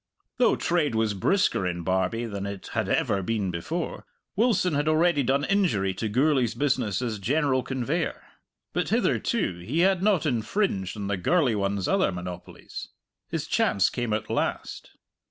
Though trade was brisker in Barbie than it had ever been before, Wilson had already done injury to Gourlay's business as general conveyor. But, hitherto, he had not infringed on the gurly one's other monopolies. His chance came at last.